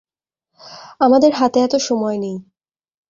আমাদের হাতে এতো সময় নেই!